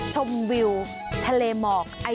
โปรดติดตามต่อไป